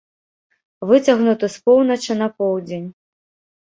Выцягнуты з поўначы на поўдзень.